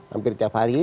hampir tiap hari